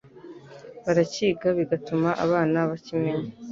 barakiga bigatuma abana bakimenya